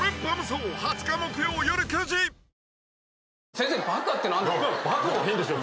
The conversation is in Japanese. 先生ばかって何ですか？